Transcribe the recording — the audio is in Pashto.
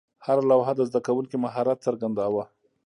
هره لوحه د زده کوونکي مهارت څرګنداوه.